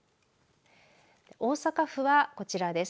大阪府はこちらです。